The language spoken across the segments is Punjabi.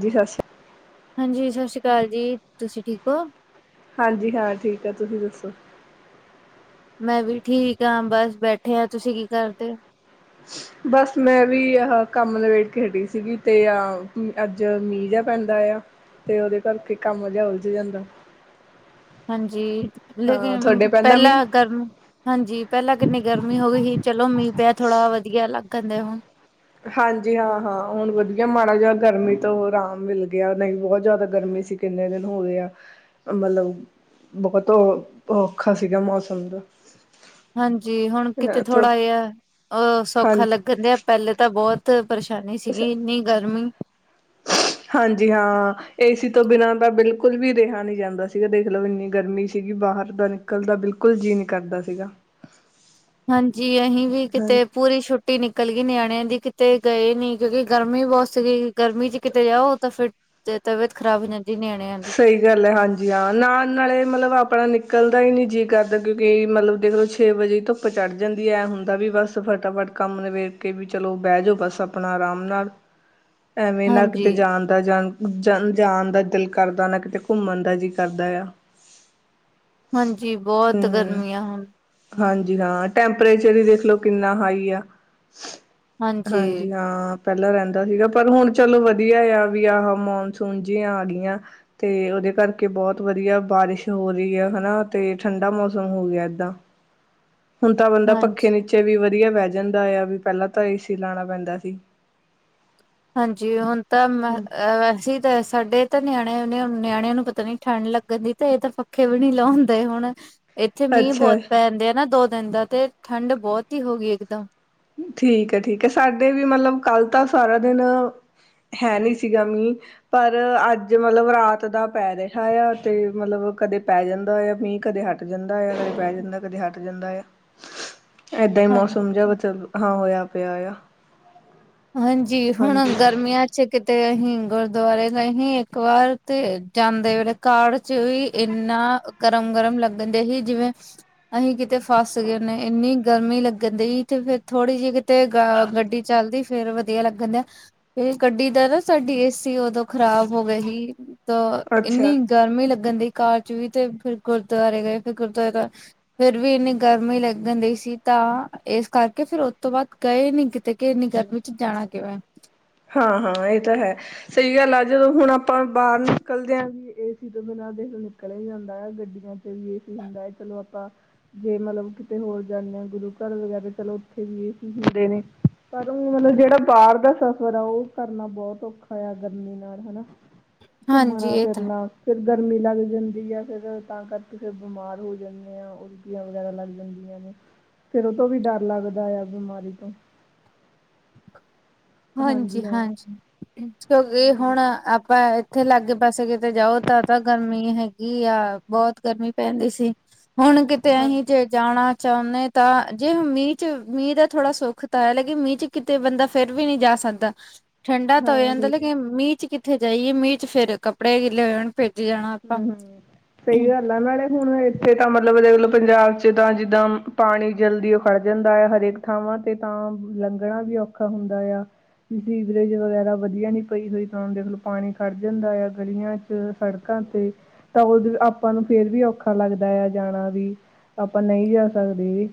ਜੀ ਸਤਿ ਸ਼੍ਰੀ ਅਕਾਲ। ਹਾਂਜੀ। ਸਤਿ ਸ਼੍ਰੀ ਅਕਾਲ ਜੀ ਤੁਸੀਂ ਠੀਕ ਹੋ। ਹਾਂਜੀ, ਹਾਂ ਠੀਕ ਆ ਤੁਸੀਂ ਦੱਸੋ। ਮੈਂ ਵੀ ਠੀਕ ਹਾਂ ਬਸ ਬੈਠੇ ਆ ਤੁਸੀਂ ਕੀ ਕਰਦੇ ਹੋ। ਬਸ ਮੈਂ ਵੀ ਆ ਕੰਮ ਲਬੇਟ ਕੇ ਹਟੀ ਸੀਗੀ ਤੇ ਆ ਅੱਜ ਮੀਂਹ ਜਿਹਾ ਪੈਂਦਾ ਆ। ਤੇ ਉਹਦੇ ਕਰਕੇ ਕੰਮ ਜਿਹਾ ਉਲਝ ਜਾਂਦਾ। ਹਾਂਜੀ। ਹਾਂ ਲੇਕਿਨ ਤੁਹਾਡੇ ਪੈਂਦਾ ਮੀਂਹ ਪਹਿਲਾਂ ਗਰਮ। ਹਾਂਜੀ। ਪਹਿਲਾਂ ਕਿੰਨੀ ਗਰਮੀ ਹੋ ਗਈ ਸੀ ਚਲੋ ਮੀਂਹ ਪਿਆ ਥੋੜ੍ਹਾ ਵਧੀਆ ਲੱਗ ਜਾਂਦਾ ਹੁਣ। ਹਾਂਜੀ ਹਾਂ ਹਾਂ, ਹੁਣ ਵਧੀਆ ਮਾੜਾ ਜਿਹਾ ਗਰਮੀ ਤੋਂ ਆਰਾਮ ਮਿਲ ਗਿਆ ਉਹ ਦੀ ਬਹੁਤ ਜ਼ਿਆਦਾ ਗਰਮੀ ਸੀ। ਕਿੰਨੇ ਦਿਨ ਹੋਗੇ ਆ ਮਤਲਬ ਬਹੁਤ ਔਖਾ ਸੀਗਾ ਮੌਸਮ ਦਾ ਹਾਂਜੀ। ਹੁਣ ਕਿਤੇ ਹਾਂ ਥੋ ਥੋੜ੍ਹਾ ਜਿਹਾ ਦਿਆ ਅਸੌਖਾ ਹਾਂਜੀ ਲੱਗਣ ਪਹਿਲੇ ਤਾਂ ਬਹੁਤ ਪਰੇਸ਼ਾਨੀ ਸੀਗੀ ਇੰਨੀ ਗਰਮੀ ਹਾਂਜੀ ਹਾਂ। ਏਸੀ ਤੋਂ ਬਿਨਾਂ ਤਾਂ ਬਿਲਕੁਲ ਵੀ ਰਿਹਾ ਨਹੀਂ ਜਾਂਦਾ ਸੀਗਾ ਦੇਖ। ਲਓ ਇੰਨੀ ਗਰਮੀ ਸੀਗੀ ਬਾਹਰ ਦਾ ਨ ਕਲ ਦਾ ਬਿਲਕੁਲ ਜੀਅ ਨੀ ਕਰਦਾ ਸੀਗਾ। ਹਾਂਜੀ। ਅਸੀਂ ਵੀ ਹਾਂਜੀ। ਕਿਤੇ ਪੂਰੀ ਛੁੱਟੀ ਨਿਕਲ ਗਈ ਨਿਆਣਿਆਂ ਦੀ ਕਿਤੇ ਗਏ ਨੀ ਕਿਉਂਕਿ ਗਰਮੀ ਬਹੁਤ ਸੀਗੀ ਗਰਮੀ ਚ ਕਿਤੇ ਜਾਓ ਤਾਂ ਫਿਰ ਤਬੀਅਤ ਖਰਾਬ ਹੋ ਜਾਂਦੀ ਨਿਆਣਿਆਂ ਦੀ। ਸਹੀ ਗੱਲ ਹੈ ਹਾਂਜੀ ਹਾਂ ਨਾਲ ਨਾਲੇ ਮਤਲਬ ਆਪਣਾ ਨਿਕਲਦਾ ਹੀ ਨੀ ਜੀਅ ਕਰਦਾ ਕਿਉਂਕਿ ਮਤਲਬ ਦੇਖ ਲੋ ਛੇ ਵਜੇ ਧੁੱਪ ਚੜ੍ਹ ਜਾਂਦੀ ਹੈ ਐਂ ਹੁੰਦਾ ਵੀ ਬਸ ਫਟਾਫਟ ਕੰਮ ਨਬੇੜ ਕੇ ਵੀ ਚਲੋ ਬਹਿ ਜਾਓ ਬਸ ਆਪ ਆਪਣਾ ਆਰਾਮ ਨਾਲ ਐਵੇਂ ਨਾ ਕਿਤੇ ਹਾਂਜੀ। ਜਾਣ ਦਾ ਜਾਣ ਜਾਣ ਦਾ ਦਿਲ ਕਰਦਾ ਨਾ ਕਿਤੇ ਘੁੰਮਣ ਦਾ ਜੀ ਕਰਦਾ ਆ। ਹਾਂਜੀ। ਬਹੁਤ ਹੂੰ ਗਰਮੀਆਂ ਹਨ। ਹਾਂਜੀ। ਹਾਂ ਟੈਂਪਰੇਚਰ ਹੀ ਦੇਖਲੋ ਕਿੰਨਾ ਹਾਈ ਆ। ਹਾਂਜੀ ਹਾਂ। ਪਹਿਲਾਂ ਰਹਿੰਦਾ ਸੀਗਾ ਪਰ ਹੁਣ ਚਲੋ ਵਧੀਆ ਆ ਵੀ ਆਹ ਮਨਸੂਨ ਜੀਂਆ ਗਈਆਂ। ਤੇ ਉਹਦੇ ਕਰਕੇ ਬਹੁਤ ਵਧੀਆ ਬਾਰਿਸ਼ ਹੋ ਰਹੀ ਹੈ ਹਨਾ ਤੇ ਠੰਡਾ ਮੌਸਮ ਹੋ ਗਿਆ ਏਦਾਂ [inaudible] ਹੁਣ ਤਾਂ ਬੰਦਾ ਹਾਂਜੀ। ਪੱਖੇ ਨੀਚੇ ਵੀ ਵਧੀਆ ਬਹਿ ਜਾਂਦਾ ਆ ਵੀ ਪਹਿਲਾਂ ਤਾਂ ਏ ਸੀ ਲਾਉਣਾ ਪੈਂਦਾ ਸੀ। ਹਾਂਜੀ। ਹੁਣ ਤਾਂ ਵੈਸੇ ਸਾਡੇ ਤਾਂ ਨਿਆਣਿਆਂ ਨਿਆਣਿਆਂ ਨੂੰ ਪਤਾ ਨੀ ਠੰਢ ਲੱਗਣ ਦੀ ਤੇ ਇਹ ਤਾਂ ਪੱਖੇ ਵੀ ਨੀ ਲਾਉਂਦੇ ਹੁਣ ਇੱਥੇ ਮੀਂਹ ਅੱਛਾ ਬਹੁਤ ਪੈਦੇ ਆ ਨਾ ਦੋ ਦਿਨ ਦਾ ਤੇ ਠੰਡ ਬਹੁਤ ਹੀ ਹੋ ਗਈ ਇੱਕਦਮ ਠੀਕ ਹੈ- ਠੀਕ ਹੈ ਸਾਡੇ ਵੀ ਮਤਲਬ ਕੱਲ ਤਾਂ ਸਾਰਾ ਦਿਨ ਹੈ ਨਹੀਂ ਸੀਗਾ ਮੀਂਹ। ਪਰ ਅੱਜ ਮਤਲਬ ਰਾਤ ਦਾ ਪੈ ਰਿਹਾ ਆ ਤੇ ਮਤਲਬ ਕਦੇ ਪੈ ਜਾਂਦਾ ਆ ਮੀਂਹ ਕਦੇ ਹਟ ਹਟ ਜਾਂਦਾ ਆ ਕਦੇ ਪੈ ਜਾਂਦਾ ਕਦੇ ਹਟ ਜਾਂਦਾ ਆ। ਏਦਾਂ ਹੀ ਮੌਸਮ ਹਾਂਜੀ। ਜਿਹਾ ਹਾਂ ਹੋਇਆ ਪਿਆ ਆ। ਹਾਂਜੀ। ਹੁਣ ਗਰਮੀਆਂ ਚ ਕਿਤੇ ਅਸੀਂ ਗੁਰਦੁਆਰੇ ਅਸੀ ਇੱਕ ਵਾਰ ਤੇ ਜਾਂਦੇ ਵੇਲੇ ਕਾਰ ਵਿੱਚ ਵੀ ਇੰਨਾ ਗਰਮ ਗਰਮ ਲੱਗਣਦੇ ਸੀ ਜਿਵੇਂ ਅਸੀਂ ਕਿਤੇ ਫਸ ਗਏ ਨੇ ਇੰਨੀ ਗਰਮੀ ਲੱਗਣ ਦੀ ਤੇ ਫੇਰ ਥੋੜੀ ਜਿਹੀ ਕਿਤੇ ਗੱਡੀ ਚੱਲਦੀ ਫੇਰ ਵਧੀਆ ਲੱਗਣ ਦਿਆ ਗੱਡੀ ਦਾ ਨਾ ਸਾਡੀ ਏਸੀ ਉਦੋਂ ਖ਼ਰਾਬ ਹੋ ਗਈ ਸੀ। ਤਾਂ ਅੱਛਾ ਇੰਨੀ ਗਰਮੀ ਲੱਗਣ ਦੀ ਕਾਰ ਚ ਵੀ' ਤੇ ਫਿਰ ਗੁਰਦੁਆਰੇ ਗਏ ਫਿਰ ਗੁਰਦੁਆਰੇ ਤੋਂ। ਫੇਰ ਵੀ ਇੰਨੀ ਗਰਮੀ ਲੱਗਣ ਦੀ ਸੀ ਤਾਂ ਇਸ ਕਰਕੇ ਫਿਰ ਉਸ ਤੋਂ ਬਾਅਦ ਗਏ ਨੀ ਕਿਤੇ ਕਿ ਇੰਨੀ ਗਰਮੀ ਜਾਣਾ ਕਿਉ ਹੈ। ਹਾਂ-ਹਾਂ ਇਹ ਤਾਂ ਹੈ। ਸਹੀ ਗੱਲ ਆ ਜਦੋਂ ਹੁਣ ਆਪਾਂ ਬਾਹਰ ਨਿਕਲਦੇ ਹਾਂ ਵੀ ਏ ਸੀ ਤੋਂ ਬਿਨਾਂ ਦੇਖੋ ਨਿਕਲੇ। ਜਾਂਦਾ ਹੈ ਗੱਡੀਆਂ ਚ ਵੀ ਏ ਸੀ ਹੁੰਦਾ ਹੈ। ਚਲੋ ਆਪਾਂ ਜੇ ਮਤਲਬ ਕਿਤੇ ਹੋਰ ਜਾਂਦੇ ਹ ਗੁਰੂ ਘਰ ਵਗੈਰਾ ਚਲੋ ਉੱਥੇ ਵੀ ਏ ਸੀ ਹੁੰਦੇ ਨੇ ਪਰ ਉਹ ਮਤਲਬ ਜਿਹੜਾ ਬਾਹਰ ਦਾ। [unintelligible] ਉਹ ਕਰਨਾ ਬਹੁਤ ਔਖਾ ਆ ਗਰਮੀ ਨਾਲ ਹਨਾ' ਹਾਂਜੀ ਘੁੰਮਣਾ ਇਹ ਤਾਂ ਫਿਰਨਾ। ਫਿਰ ਗਰਮੀ ਲੱਗ ਜਾਂਦੀ ਆ ਫਿਰ ਤਾਂ ਕਰਕੇ ਫਿਰ ਬਿਮਾਰ ਹੋ ਜਾਂਦੇ ਆਂ। ਉਲਟੀਆਂ ਵਗੈਰਾ ਲੱਗ ਜਾਂਦੀਆਂ ਨੇ'ਫਿਰ ਉਹ ਤੋਂ ਵੀ ਡਰ ਲੱਗਦਾ ਆ ਬਿਮਾਰੀ ਤੋਂ। ਹਾਂਜੀ ਹਾਂ ਹਾਂਜੀ-ਹਾਂਜੀ ਇਹ ਹਮ, ਹੁਣ ਆਪਾਂ ਇੱਥੇ ਲਾਗੇ ਪਾਸੇ ਕਿਤੇ ਜਾਓ ਤਾਂ ਤਾਂ ਗਰਮੀ ਹੈਗੀ ਆ ਬਹੁਤ ਗਰਮੀ ਪੈਂਦੀ ਸੀ। ਹੁਣ ਕਿ। ਤੇ ਅਸੀਂ ਹਾਂਜੀ ਜੇ ਜਾਣਾ ਚਾਹੁੰਦੇ ਤਾਂ' ਜੇ ਮੀਂਹ ਚ ਮੀਂਹ ਦਾ ਥੋੜਾ ਸੁੱਖ ਤਾਂ ਹੈ ਲੇਕਿਨ ਮੀਂਹ ਚ?। ਕਿਤੇ ਬੰਦਾ ਫੇਰ ਵੀ ਨਹੀਂ ਜਾ ਸਕਦਾ' ਠੰਡਾ ਤਾਂ ਹੋ ਹਾਂ ਜਾਂਦਾ ਨਹੀਂ ਤਾਂ ਲੇਕਿਨ ਮੀਂਹ ਚ ਕਿਤੇ। ਉੱਥੇ ਜਾਈਏ ਮੀਂਹ ਚ ਫਿਰ ਕੱਪੜੇ ਗਿੱਲੇ ਹੋ ਜਾਣ। ਭਿੱਜ ਜਾਣਾ। ਆਪਾਂ। ਹੂੰ ਹੂੰ, ਸਹੀ ਗੱਲ ਮ ਹੁਣ ਇੱਥੇ ਤਾਂ ਮਤਲਬ ਪੰਜਾਬ ਚ ਤਾਂ ਜਿੱਦਾਂ ਪਾਣੀ ਜਲਦੀ ਉਹ ਖੜ ਜਾਂਦਾ ਹੈ ਹਰੇਕ ਥਾਵਾਂ ਤੇ ਤਾਂ ਲੰਘਣਾ ਵੀ ਔਖਾ ਹੁੰਦਾ ਆ। ਸੀਵਰੇਜ ਵਗੈਰਾ ਵਧੀਆ ਨੀ ਪਈ ਹੋਈ ਤਾਂ ਦੇਖਲੋ ਪਾਣੀ ਖੜ ਜਾਂਦਾ ਆ ਗਲੀਆਂ ਚ ਸੜਕ ਅਤੇ ਤਾਂ ਉਹ ਆਪਾਂ ਨੂੰ ਫੇਰ ਵੀ ਔਖਾ ਲੱਗਦਾ ਆ ਜਾਣਾ ਵੀ ਆਪਾਂ ਨਹੀਂ ਜਾ ਸਕਦੇ ਜੀ।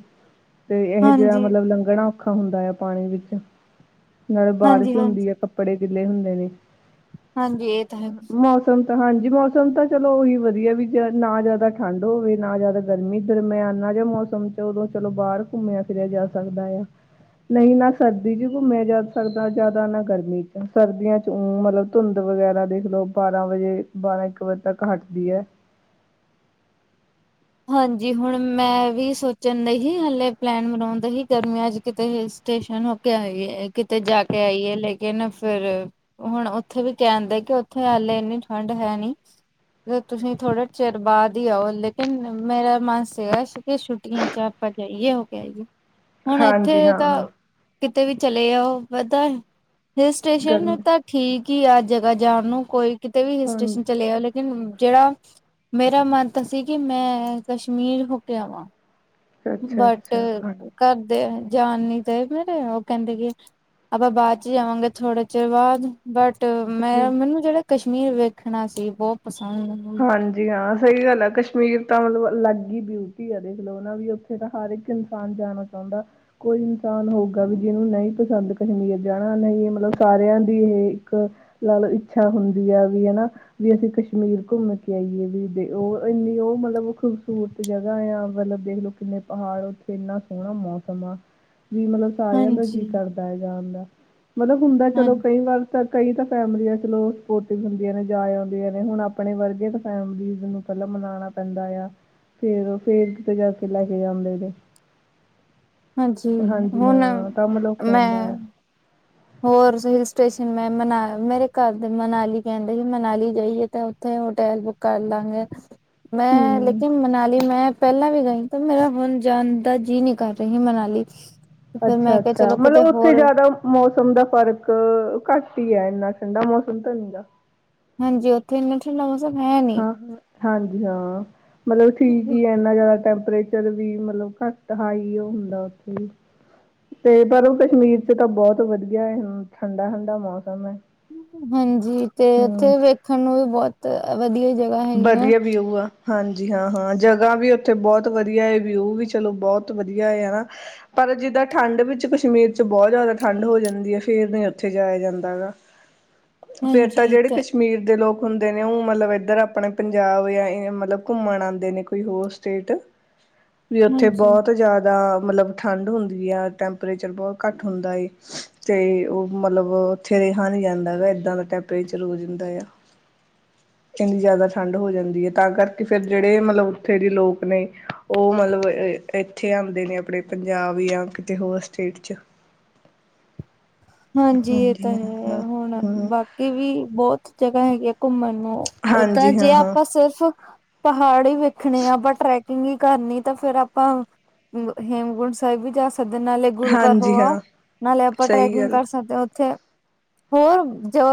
ਤੇ ਇਹ ਜਿਹਾ ਹਾਂਜੀ। ਮਤਲਬ ਲੰਘਣਾ ਔਖਾ ਹੁੰਦਾ ਆ ਪਾਣੀ ਵਿੱਚ। ਨਾਲੇ ਹਾਂਜੀ-ਹਾਂਜੀ, ਬਾਰਿਸ਼ ਹੁੰਦੀ ਹਾਂਜੀ ਏ ਕੱਪੜੇ ਗਿੱਲੇ ਹੁੰਦੇ ਨੇ' ਹਾਂਜੀ ਇਹ ਤਾਂ ਹੈ। ਮੌਸ [unintelligible] ਮੌਸਮ ਤਾਂ ਚਲੋ ਉਹੀ ਵਧੀਆ ਵੀ ਨਾ ਜ਼ਿਆਦਾ ਠੰਢ ਹੋਵੇ ਨਾ ਜ਼ਿਆਦਾ ਗਰਮੀ ਦਰਮਿਆਨਾ ਜਿਆ ਮੌਸਮ। ਤੇ ਉਦੋਂ ਚਲੋ ਬਾਹਰ ਘੁੰਮਿਆ ਫਿਰਿਆ ਜਾ ਸਕਦਾ ਆ। ਨਹੀਂ ਨਾ ਸਰਦੀ ਚ ਘੁੰਮਿਆ ਜਾ ਸਕਦਾ ਜ਼ਿਆਦਾ ਨਾ ਗਰਮੀ ਚ ਸਰਦੀਆਂ ਚ ਊ ਮਤਲਬ। ਧੁੰਦ ਵਗੈਰਾ ਦੇਖਲੋ ਬਾਰਾਂ ਵਜੇ ਬਾਰਾਂ ਇੱਕ ਵਜੇ ਤੱਕ ਹਟਦੀ ਐ। ਹਾਂਜੀ ਹੁਣ ਮੈਂ ਵੀ ਸੋਚਣ ਡਈ ਸੀ' ਹਲੇ ਪਲੈਨ ਬਨਾਉਣ ਦਈ ਸੀ ਗਰਮੀਆਂ ਚ ਕਿਤੇ ਸਟੇਸ਼ਨ ਹੋ ਕੇ ਆਈਏ ਕਿਤੇ ਜਾ ਕੇ ਆਈਏ ਲੇਕਿਨ ਫਿਰ। ਹੁਣ ਉੱਥੇ ਵੀ ਕਹਿਣਦੇ ਕਿ ਉੱਥੇ ਹਾਲੇ ਇੰਨੀ ਠੰਡ ਹੈ ਨਹੀਂ। ਤੁਸੀਂ ਥੋੜੇ ਚਿਰ ਬਾਅਦ ਹੀ ਆਓ। ਮੇਰਾ ਮਨ ਸੀਗਾ ਸੀ ਕਿ ਛੁੱਟੀਆਂ ਚ ਆਪਾਂ ਜਾਈਏ ਹੋ ਕੇ ਆਈਏ। ਹੁਣ ਹਾਂਜੀ ਇੱਥੇ ਹਾਂ ਤਾਂ। ਹਾਂ ਕਿਤੇ ਵੀ ਚਲੇ ਆ ਉਹ ਵਧਾ ਹਿਲ ਸਟੇਸ਼ਨ ਗਰਮੀ ਠੀਕ ਈ ਆ ਜਗ੍ਹਾ ਜਾਣ ਨੂੰ' ਕੋਈ ਕਿਤੇ ਵੀ ਹਿਲ ਹਾਂਜੀ ਸਟੇਸ਼ਨ ਚਲੇੇ। ਜਿਹੜਾ ਮੇਰਾ ਮੰਨ ਤਾਂ ਸੀ ਕਿ ਮੈਂ ਕਸ਼ਮੀਰ ਹੋ ਕੇ ਆਵਾਂ। ਅੱਛਾ ਬਟ' ਅੱਛਾ ਹਾਂਜੀ ਘਰਦੇ ਜਾਣ ਨੀ ਤੇ ਮੇਰੇ ਉਹ ਕਹਿੰਦੇ ਕਿ ਆਪਾਂ ਬਾਅਦ ਚ ਜਾਵਾਂਗੇ ਥੋੜੇ ਚਿਰ ਬਾਅਦ। ਬਟ ਮੈਂ ਠੀਕ ਮੈਨੂੰ ਜਿਹੜਾ ਕਸ਼ਮੀਰ ਵੇਖਣਾ ਸੀ ਬਹੁਤ ਪਸੰਦ। ਹਾਂਜੀ ਹਾਂ ਸਹੀ ਗੱਲ ਕਸ਼ਮੀਰ ਤਾਂ ਮਤਲਬ ਅਲੱਗ ਹੀ ਬਿਊਟੀ ਦੇਖ ਲੋ ਨਾ ਵੀ ਉੱ। ਤਾਂ ਹਰ ਇੱਕ ਇਨਸਾਨ ਜਾਣਾ ਚਾਹੁੰਦਾ। ਕੋਈ ਇਨਸਾਨ ਹੋਊਗਾ ਵੀ ਜਿਹਨੂੰ ਨਹੀਂ ਪਸੰਦ ਕਸ਼ਮੀਰ ਜਾਣਾ ਨਹੀ' ਇਹ ਮਤਲਬ ਸਾਰਿਆਂ ਦੀ ਇਹ ਇੱਕ ਲਾ ਲਓ ਇੱਛਾ ਹੁੰਦੀ ਹੈ ਵੀ ਹਨਾ' ਵੀ ਅਸੀਂ ਕਸ਼ਮੀਰ। ਘੁੰਮ ਕੇ ਆਈਏ ਵੀ ਦੇਖ ਉਹ ਇੰਨੀ ਉਹ ਮਤਲਬ ਖੂਬਸੂਰਤ ਜਗਾ ਆ ਮਤਲਬ ਦੇਖਲਓ ਕਿੰਨੇ ਪਹਾੜ ਓਥੇ। ਇੰਨਾ ਸੋਹਣਾ ਮੌਸਮ ਆ' ਵੀ ਮਤਲਬ। ਸਾਰਿਆਂ ਦਾ ਜੀ ਹਾਂਜੀ ਕਰਦਾ ਹੈ ਜਾਣ ਦਾ'ਮਤਲਬ ਹੁੰਦਾ ਹਾਂ ਚਲੋ ਕਈ ਵਾਰ। ਤਾਂ ਕਈ ਤਾਂ ਫੈਮਲੀੀਆਂ ਚਲੋ ਸਪੋਰਟਿਵ ਹੁੰਦੀਆਂ ਨੇ ਜਾਏ ਆਉਂਦੀਆਂ ਨੇ ਹੁਣ। ਆਪਣੇ ਵਰਗੇ ਤੇ ਫੈਮਲੀਜ਼ ਨੂੰ ਪਹਿਲਾਂ ਮਨਾਣਾ ਪੈਂਦਾ ਆ। ਫੇਰ ਉਹ ਫੇਰ ਕਿਤੇ ਜਾਕੇ ਲੈ ਕੇ ਜਾਂਦੇ ਜੇ। ਹਾਂਜੀ ਹਾਂਜੀ ਹੁਣ ਹਾਂ ਕੰਮ ਲੋਕ ਆਂਦਾ ਮੈਂ ਐ। ਹੋਰ ਹਿਲ ਸਟੇਸ਼ਨ ਮੈਂ ਮਨਾ ਮੇਰੇ ਘਰ ਦੇ ਮਨਾਲੀ ਕਹਿੰਦੇ ਸੀ ਮਨਾਲੀ ਜਾਈਏ ਤਾਂ ਉੱਥੇ ਹੋਟਲ ਬੁੱਕ ਕਰ ਲਾਂਗੇ ਮੈਂ ਲ ਹੂੰ ਤੇ ਮਨਾਲੀ ਮੈਂ ਪਹਿਲਾਂ ਵੀ ਗਈ ਤੇ ਮੇਰਾ ਹੁਣ ਜਾਣਦਾ ਜੀਅ ਨੀ ਕਰ ਰਹੀ ਮਨਾਲ ਅੱਛਾ, ਅੱਛਾ ਮਤਲਬ ਉੱਥੇ ਜਿਆਦਾ ਮੌਸਮ ਦਾ ਫ਼ਰਕ ਘੱਟ ਈ ਹੈ ਇੰਨਾ ਠੰਡਾ ਮੌਸਮ ਤਾਂ ਨਹੀਂ ਗਾ ਹਾਂਜੀ ਉੱਥੇ [unintelligible] [unintelligible] ਹਾਂ ਹਾਂਜੀ ਹਾਂ, ਮਤਲਬ ਠੀਕ ਈ ਐ। ਇੰਨਾ ਜ਼ਿਆਦਾ ਟੈਂਪਰੇਚਰ ਵੀ ਮਤਲਬ ਘੱਟ ਹਾਈ ਉਹ ਹੁੰਦਾ ਉੱਥੇ ਵੀ ਤੇ ਪਰ ਉਹ ਕਸ਼ਮੀਰ ਚ ਤਾਂ ਬਹੁਤ ਵਧੀਆ ਠੰਡਾ, ਠੰਢਾ ਮੌਸਮ ਐ। ਹਾਂਜੀ, ਤੇ ਉੱਥੇ ਵੇਖਣ ਨੂੰ ਵੀ ਬਹੁਤ ਵਧੀਆ ਜਗ੍ਹਾ ਹੈਗੀੀਆਂ। ਵਧੀਆ ਵਿਊ ਆ ਹਾਂਜੀ ਹਾਂ, ਹਾਂ ਜਗ੍ਹਾ ਵੀ ਉੱਥੇ ਬਹੁਤ ਵਧੀਆ ਏ ਵਿਊ ਵੀ ਚਲੋ ਬਹੁਤ ਵਧੀਆ ਐ ਹਨਾ। ਪਰ ਜਿੱਦਾਂ ਠੰਡ ਵਿੱਚ ਕਸ਼ਮੀਰ ਚ ਬਹੁਤ ਜ਼ਿਆਦਾ ਠੰਡ ਹੋ ਜਾਂਦੀ ਏ। ਫਿਰ ਨਹੀਂ ਉੱਥੇ ਜਾਇਆ ਜਾਂਦਾ ਹੈਗਾ। ਫੇਰ ਤਾਂ ਹਾਂਜੀ ਜਿਹੜੇ ਤੇ ਕਸ਼ਮੀਰ ਦੇ ਲੋਕ ਹੁੰਦੇ ਨੇ ਉਹ ਮਤਲਬ ਇੱਧਰ ਆਪਣੇ ਪੰਜਾਬ ਜਾਂ ਮਤਲਬ ਘੁੰਮਣ ਆਉਂਦੇ ਨੇ ਕੋਈ ਹੋਰ ਸਟੇਟ। ਵੀ ਉੱਥੇ ਹਾਂਜੀ। ਬਹੁਤ ਜ਼ਿਆਦਾ ਮਤਲਬ ਠੰਡ ਹੁੰਦੀ ਆ ਟੈਂਪਰੇਚਰ ਬਹੁਤ ਘੱਟ ਹੁੰਦਾ ਏ। ਤੇ ਉਹ ਮਤਲਬ ਉੱਥੇ ਰਿਹਾ ਨਹੀਂ ਜਾਂਦਾ ਏ ਇਦਾਂ ਦਾ ਟੈਂਪਰੇਚਰ ਹੋ ਜਾਂਦਾ ਆ। ਇੰਨੀ ਜ਼ਿਆਦਾ। ਠੰਡ ਹੋ ਜਾਂਦੀ ਏ ਤਾਂ ਕਰਕੇ ਫੇਰ ਜਿਹੜੇ ਮਤਲਬ ਉੱਥੇ ਦੇ ਲੋਕ ਨੇ ਉਹ ਮਤਲਬ ਇੱਥੇ ਆਉਂਦੇ ਨੇ ਆਪਣੇ ਪੰਜਾਬ ਜਾਂ ਕਿਤੇ ਹੋਰ ਸਟੇਟ ਹਾਂਜੀ, ਇਹ ਤਾਂ ਹਾਂ ਹੈ ਹਾਂ ਹੁਣ ਹਾਂ ਬਾਕ ਵੀ ਬਹੁਤ ਜਗ੍ਹਾ ਹੈਗੀਆਂ ਘੁੰਮਣ ਨੂੰ ਉ ਤਾਂ ਹਾਂਜੀ ਜੇ ਹਾਂ ਹਾਂ ਆਪਾਂ ਸਿਰਫ ਪਹਾੜ ਈ ਵੇਖਣੇ ਆ ਆਪਾਂ ਟਰੈਕਿੰਗ ਵੀ ਕਰਨੀ ਤਾਂ ਫੇਰ ਆਪਾਂ ਹੇਮਕੁੰਟ ਸਾਹਿਬ ਵੀ ਜਾ ਸਕਦੇ ਨਾਲੇ ਗੁਰੂ ਘਰ ਹੋ ਹਾਂਜੀ ਆਓ ਹਾਂ ਨਾਲੇ ਆਪਾਂ ਸਹੀ ਟਰੈਕਿੰਗ ਗੱਲ ਕਰ ਸਕ ਤੇ ਉੱਥੇ ਹੋਰ ਜੋ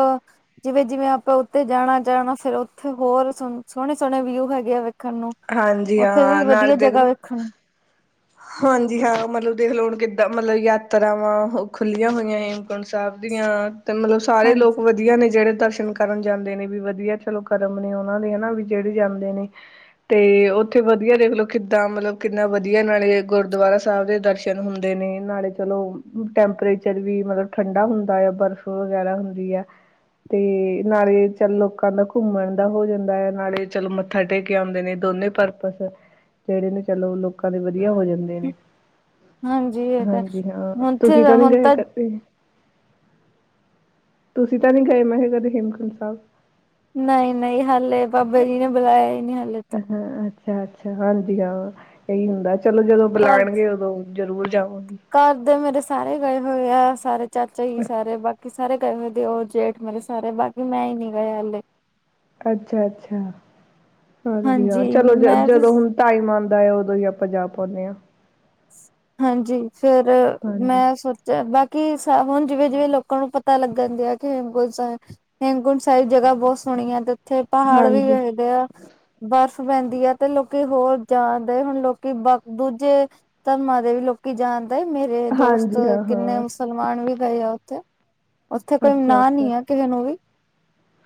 ਜਿਵੇਂ, ਜਿਵੇਂ ਆਪਾਂ ਉੱਤੇ ਜਾਣਾ, ਜਾਣਾ ਫਿਰ ਉੱਥੇ ਹੋਰ ਸੋਹਣੇ, ਸੋਹਣੇ ਵਿਊ ਹੈਗੇ ਆ ਵੇ ਵੇਖਣ ਨੂੰ, ਹਾਂਜੀ ਉੱਥੇ ਵੀ ਹਾਂ ਨਾਲੇ ਵਧੀਆ ਦੇਖ ਜਗ੍ਹਾ ਲਓ ਵੇਖਣ ਨੂੰ ਹਾਂਜੀ ਹਾਂ, ਮਤਲਬ ਦੇਖ ਲਓ ਹੁਣ ਕਿੱਦਾਂ ਮਤਲਬ ਯਾਤਰਾਵਾਂ ਹੋ ਖੁੱਲ੍ਹੀਆਂ ਹੋਈਆਂ ਏ। ਸਾਹਿਬ ਦੀਆਂ, ਤੇ ਮਤਲਬ ਸਾਰੇ ਲੋਕ ਹਾਂਜੀ ਵਧੀਆ ਨੇ ਜਿਹੜੇ ਦਰਸ਼ਨ ਕ ਕਰਨ ਜਾਂਦੇ ਨੇ ਵੀ ਵਧੀਆ ਚਲੋ ਕਰਮ ਨੇ ਉਹਨਾਂ ਦੇ ਹੈਨਾ ਵੀ ਜਿਹੜੇ ਜਾਂਦੇ ਨੇ ਤੇ ਉੱਥੇ ਵਧੀਆ, ਦੇਖਲੋ ਕਿੱਦਾਂ ਮਤਲਬ ਕਿੰਨਾ ਵਧੀਆ ਵਧੀਆ ਨਾਲੇ ਗੁਰਦੁਆਰਾ ਸਾਹਿਬ ਦੇ ਦਰਸ਼ਨ ਹੁੰਦੇ ਨੇ ਨਾਲੇ ਚਲੋ ਟੈਂਪਰੇਚਰ ਵੀ ਮਤਲਬ ਠੰਡਾ ਹੁੰਦਾ ਆ ਬਰਫ਼ ਵਗੈਰਾ ਹੁੰਦੀ ਐ। ਤੇ ਨਾਲੇ ਚੱਲ ਲੋਕਾਂ ਦਾ ਘੁੰਮਣ ਦਾ ਹੋ ਜਾਂਦਾ ਏ ਨਾਲੇ ਚਲ ਮ [unintelligible] ਕੇ ਆਉਂਦੇ ਨੇ ਦੋਨੇ ਪਰਪਸ ਐ। ਔ ਜਿਹੜੇ ਨੇ ਚਲੋ ਲੋਕਾਂ ਦੇ ਵਧੀਆ ਹੋ ਜਾਂਦੇ ਨੇ ਹਾਂਜੀ ਇਹ ਤਾਂ ਹਾਂਜੀ ਹਾਂ, ਉੱਥੇ ਤੁਸੀਂ ਤਾਂ ਨੀ ਹੁਣ ਗਏ ਕਦੇ। ਤੁਸੀਂ ਤਾਂ ਨੀ ਗਏ ਮੈਂ ਕਿਹਾ ਕਦੇ ਹੇਮਕੁੰਟ ਸਾਹਿਬ। ਨਹੀਂ, ਨਹੀਂ ਹਲੇ ਬਾਬਾ ਜੀ ਨੇ ਬੁਲਾਇਆ ਈ ਨਹੀਂ ਹਲੇ। ਅੱਛਾ, ਅੱਛਾ, ਅਛਾ ਹਾਂਜੀ ਹਾਂ, ਇਹੀ ਹੁੰਦਾ ਚਲੋ ਜਦੋਂ ਘਰ ਬੁਲਾਉਣਗੇ ਉਦੋਂ। ਜ਼ਰੂਰ ਜਾਓਗੇ। ਘਰ ਦੇ ਮੇਰੇ ਸਾਰੇ ਗਏ ਹੋਏ ਆ ਸਾਰੇ ਚਾਚਾ ਜੀ ਸਾਰੇ ਬਾਕੀ ਸਾਰੇ ਕੈਵੇ ਦਿਉਰ, ਜੇਠ ਮੇਰੇ ਸਾਰੇ ਬਾਕੀ ਮੈਂ ਹੀ ਨੀ ਗਏ ਹਲੇ। ਅੱਛਾ, ਅੱਛਾ ਹਾਂਜੀ ਹਾਂ, ਚਲੋ ਜ ਮੈਂ ਵੀ ਜਦੋਂ ਹੁਣ ਟਾਈਮ ਆਉਂਦਾ ਹੈ ਉਦੋਂ ਹੀ ਆਪਾਂ ਜਾ ਪਾਉਂਨੇ ਹਾਂ। ਹਾਂਜੀ, ਫੇਰ ਹਾਂਜੀ ਮੈਂ ਸੋਚ ਜ ਬਾਕੀ ਸਬ ਹੁਣ ਜਿਵੇਂ, ਜਿਵੇਂ ਲੋਕਾਂ ਨੂੰ ਪਤਾ ਲੱਗਨ ਡਿਆ ਆ ਕਿ ਹੇਮਕੁੰਟ ਸਾਹਿਬ ਹੇਮਕੁੰਟ ਸਾਹਿਬ ਜਗ੍ਹਾ ਬਹੁਤ ਸੋਹਣੀ ਆ ਤੇ ਉੱਥੇ ਪਹਾੜ ਵੀ ਹਾਂਜੀ [unintelligible] ਆ। ਬਰਫ਼ ਪੈਂਦੀ ਹੈ ਤੇ ਲੋਕੀ ਹੋਰ ਜਾਣ ਡੇ ਹੁਣ ਲੋਕੀ ਬ ਦੂਜੇ ਧਰਮਾਂ ਦੇ ਵੀ ਲੋਕੀ ਜਾਣ ਡੇ ਮੇਰੇ ਦੋਸਤ ਹਾਂਜੀ ਹਾਂ ਕਿੰਨੇ ਹਾਂ ਮੁਸਲਮਾਨ ਵੀ ਗਏ ਆ ਉੱਥੇ ਉੱਥੇ ਕੋਈ ਅੱਛਾ ਨਾਂ ਅੱਛਾ ਨੀ ਆ ਕਿਸੇ ਨੂੰ ਵੀ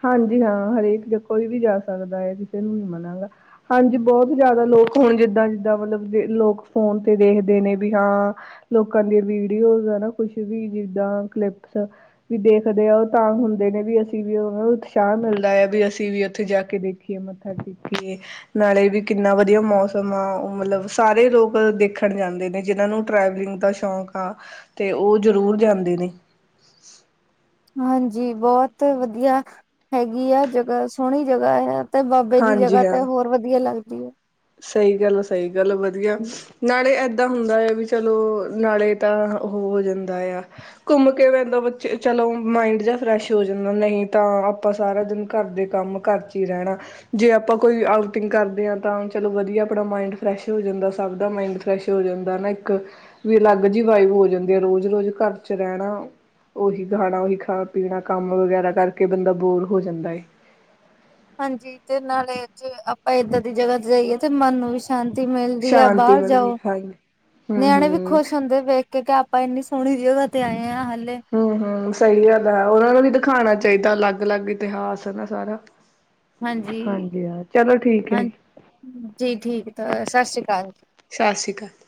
ਹਾਂਜੀ ਹਾਂ ਹਰੇਕ ਜ ਕੋਈ ਵੀ ਜਾ ਸਕਦਾ ਹੈ ਕਿਸੇ ਨੂੰ ਨ ਮਨਾਗਾ ਹਾਂਜੀ ਬਹੁਤ ਜ਼ਿਆਦਾ ਲੋਕ ਹੁਣ ਜਿੱਦਾਂ ਜਿੱਦਾਂ ਮਤਲਬ ਲੋਕ ਫੋਨ ਤੇ ਦੇਖਦੇ ਨੇ ਵੀ ਹਾਂ ਲੋਕਾਂ ਦੀ ਵੀਡੀਓ ਨਾ ਕੁਛ ਵੀ ਜਿਦਾਂ ਕਲਿਪਸ ਵੀ ਦੇਖਦੇ ਆ ਉਹ ਤਾਂ ਹੁੰਦੇ ਨੇ ਵੀ ਅਸੀਂ ਵੀ ਉਹ ਬਹੁਤ ਉਤਸ਼ਾਹ ਮਿਲਦਾ ਆ ਵੀ ਅਸੀਂ ਵੀ ਉੱਥੇ ਜਾ ਕੇ ਦੇਖੀਏ ਮੱਥਾ ਟੇਕੀਏ। ਨਾਲੇ ਵੀ ਕਿੰਨਾ ਵਧੀਆ ਮੌਸਮ ਆ ਉਹ ਮਤਲਬ ਸਾਰੇ ਲੋਕ ਦੇਖਣ ਜਾਂਦੇ ਨੇ ਜਿਹਨਾਂ ਨੂੰ ਟ੍ਰੈਵਲਿੰਗ ਦਾ। ਸ਼ੌਂਕ ਆ ਅਤੇ ਉਹ ਜ਼ਰੂਰ ਜਾਂਦੇ ਨੇ। ਹਾਂਜੀ ਬਹੁਤ ਵਧੀਆ ਹੈਗੀ ਆ ਜਗ੍ਹਾ ਸੋਹਣੀ ਜਗ੍ਹਾ ਆ। ਤੇ ਬਾਬੇ ਦੀ ਹਾਂਜੀ ਜਗ੍ਹਾ ਤੇ ਹਾਂ ਹੋਰ ਵਧੀਆ ਲੱਗਦੀ ਹੈ। ਸਹੀ ਗੱਲ ਆ ਸਹੀ ਗੱਲ ਵਧੀਆ। ਨਾਲੇ ਇੱਦਾਂ ਹੁੰਦਾ ਆ ਵੀ ਚਲੋ ਨਾਲੇ ਤਾਂ ਉਹ ਹੋ ਜਾਂਦਾ ਆ। ਘੁੰਮ ਕੇ ਪੈਂਦਾ ਬੱਚੇ ਚਲੋ ਮਾਇੰਡ ਜਿਹਾ ਫਰੈਸ਼ ਹੋ ਜਾਂਦਾ ਨਹੀਂ ਤਾਂ ਆਪਾਂ ਸਾਰਾ ਦਿਨ ਘਰ ਦੇ ਕੰਮ। ਘਰ ਚ ਹੀ ਰਹਿਣਾ ਜੇ ਆਪਾਂ ਕੋਈ ਆਊਟਿੰਗ ਕਰਦੇ ਹਾਂ ਤਾਂ। ਚਲੋ ਵਧੀਆ ਆਪਣਾ ਮਾਇੰਡ ਫਰੈਸ਼ ਹੋ ਜਾਂਦਾ ਸਭ ਦਾ ਮਾਇੰਡ ਫਰੈਸ਼ ਹੋ ਜਾਂਦਾ ਨਾ ਇੱਕ। ਵੀ ਅਲੱਗ ਜਿਹੀ ਵਾਈਬ ਹੋ ਜਾਂਦੀ ਐ ਰੋਜ਼ ਰੋਜ਼ ਘਰ ਚ ਰਹਿਣਾ। ਓਹੀ ਖਾਣਾ ਉਹੀ ਖਾਣਾ-ਪੀਣਾ ਕੰਮ ਵਗੈਰਾ ਕਰਕੇ ਬੰਦਾ ਬੋਰ ਹੋ ਜਾਂਦਾ ਏ। ਹਾਂਜੀ, ਤੇ ਨਾਲੇ ਜੇ ਚ ਆਪਾਂ ਏਦਾਂ ਦੀ ਜਗ੍ਹਾ ਤੇ ਜਾਈਏ ਤੇ ਮਨ ਨੂੰ ਵੀ। ਸ਼ਾਂਤੀ ਮਿਲਦੀ ਹੈ ਸ਼ਾਂਤੀ ਬਾਹਰ ਮਿਲਦੀ ਜਾਓ ਹਾਂਜੀ ਹਮ ਨਿਆਣੇ ਵੀ ਹਮ ਖੁਸ਼ ਹੁੰਦੇ ਵੇਖ ਕੇ ਕਿ ਆਪਾਂ ਇੰਨੀ। ਸੋਹਣੀ ਜਗ੍ਹਾ ਤੇ ਆਏ ਹਾਂ ਹਾਲੇ। ਹਮ ਹਮ ਸਹੀ ਗੱਲ ਹੈ ਉਹਨਾਂ ਨੂੰ ਵੀ ਦਿਖਾਉਣਾ ਚਾਹੀਦਾ ਅਲੱਗ ਅਲੱਗ ਇਤਿਹਾਸ ਹੈ ਨਾ ਸਾਰਾ। ਹਾਂਜੀ ਹਾਂ, ਚਲੋ ਠੀਕ ਹੈ ਹਾਂਜੀ ਜੀ। ਜੀ ਠੀਕ ਤਾਂ ਸਤਿ ਸ਼੍ਰੀ ਅਕਾਲ। ਸਤਿ ਸ਼੍ਰੀ ਅਕਾਲ।